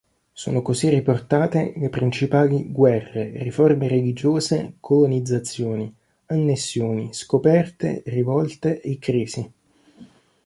Sono così riportate le principali guerre, riforme religiose, colonizzazioni, annessioni, scoperte, rivolte e crisi.